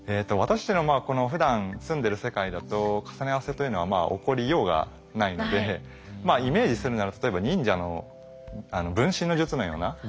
私たちのこのふだん住んでる世界だと重ね合わせというのは起こりようがないのでイメージするなら例えば忍者の分身の術のような。